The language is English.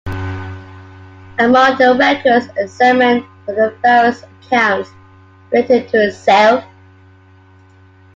Among the records examined were the various accounts related to Zelph.